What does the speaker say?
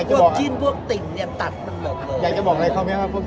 พวกจิ้นพวกติ่งเนี่ยตัดมันหมดเลย